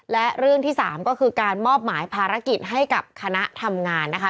และเรื่องที่สามก็คือการมอบหมายภารกิจให้กับคณะทำงานนะคะ